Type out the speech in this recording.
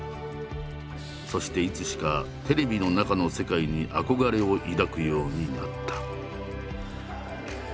そしていつしかテレビの中の世界に憧れを抱くようになった。